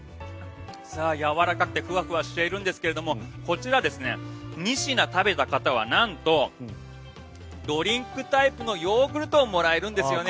やわらかくてふわふわしているんですがこちら、２品食べた方はなんとドリンクタイプのヨーグルトをもらえるんですね。